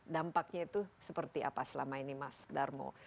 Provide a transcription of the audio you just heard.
dampaknya itu seperti apa selama ini mas darmo